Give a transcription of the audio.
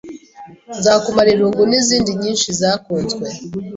“Nzakumara Irungu” n’izindi nyinshi zakunzwe